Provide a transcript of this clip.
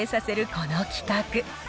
この企画。